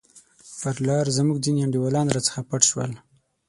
پر لار زموږ ځیني انډیوالان راڅخه پټ شول.